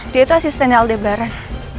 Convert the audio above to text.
dia itu asisten aldebaran